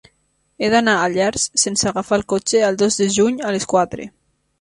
He d'anar a Llers sense agafar el cotxe el dos de juny a les quatre.